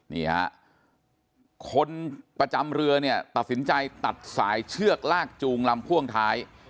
นี่ฮะคนประจำเรือเนี่ยตัดสินใจตัดสายเชือกลากจูงลำพ่วงท้าย